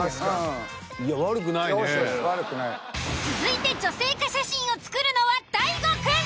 続いて女性化写真を作るのは大悟くん。